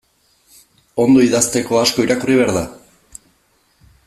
Ondo idazteko, asko irakurri behar da?